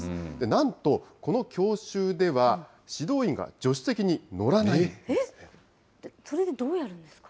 なんとこの教習では、指導員が助それでどうやるんですか。